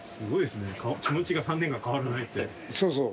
そうそう。